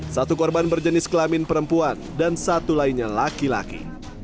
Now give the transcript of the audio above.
satu korban berjenis kelamin perempuan dan satu lainnya laki laki